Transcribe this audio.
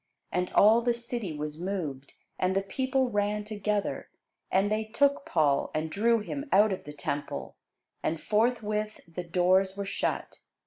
And all the city was moved, and the people ran together: and they took Paul, and drew him out of the temple: and forthwith the doors were shut.